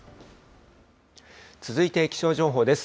続いて気象情報です。